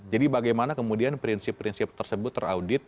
jadi bagaimana kemudian prinsip prinsip tersebut teraudit